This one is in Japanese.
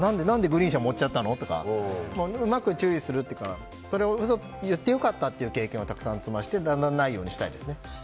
なんでグリーン車盛っちゃったの？とかうまく注意するというか言って良かったという経験をたくさん積ませて、だんだんないようにしたいですね。